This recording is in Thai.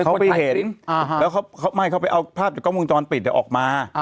เขาไปเห็นแล้วเขาไม่เขาไปเอาภาพจากกล้องวงจรปิดออกมา